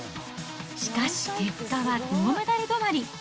しかし結果は銅メダル止まり。